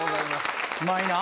うまいな。